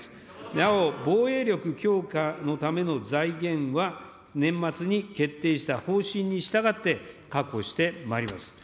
なお防衛力強化のための財源は、年末に決定した方針に従って、確保してまいります。